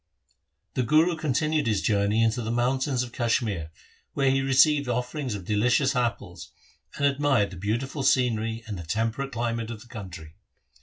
The Guru continued his journey into the moun tains of Kashmir, where he received offerings of delicious apples, and admired the beautiful scenery and the temperate climate of the country.